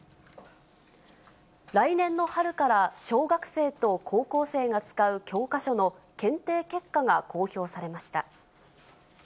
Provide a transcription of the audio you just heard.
来年の春から小学生と高校生が使う教科書の検定結果が公表されました。